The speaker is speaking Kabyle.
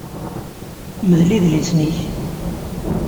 Mdel idlisen-ik!